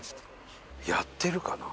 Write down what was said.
やってるかな？